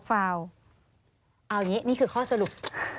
เอาอย่างนี้นี่คือข้อสรุป